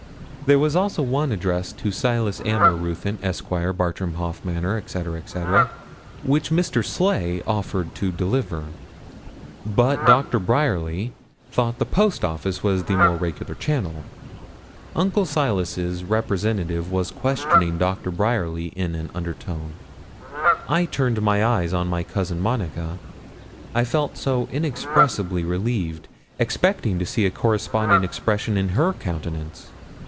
There was also one addressed to Silas Alymer Ruthyn, Esq., Bartram Haugh Manor, &c. &c., which Mr. Sleigh offered to deliver. But Doctor Bryerly thought the post office was the more regular channel. Uncle Silas's representative was questioning Doctor Bryerly in an under tone. I turned my eyes on my cousin Monica I felt so inexpressibly relieved expecting to see a corresponding expression in her countenance.